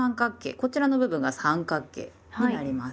こちらの部分が三角形になります。